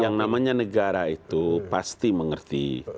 yang namanya negara itu pasti mengerti